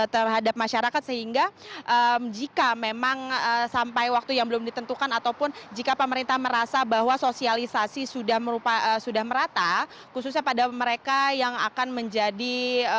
penundaan ini juga memberikan kesempatan bagi bpjt dan bujt melakukan sosialisasi lebih intensif